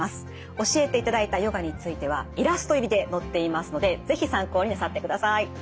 教えていただいたヨガについてはイラスト入りで載っていますので是非参考になさってください。